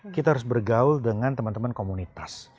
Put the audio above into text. kita harus bergaul dengan teman teman komunitas